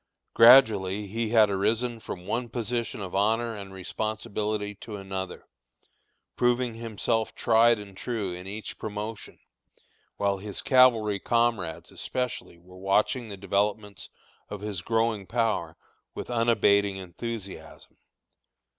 Gradually he had arisen from one position of honor and responsibility to another, proving himself tried and true in each promotion, while his cavalry comrades especially were watching the developments of his growing power, with unabating enthusiasm.